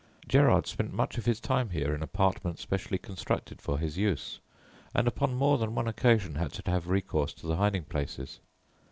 Gerard spent much of his time here in apartments specially constructed for his use, and upon more than one occasion had to have recourse to the hiding places.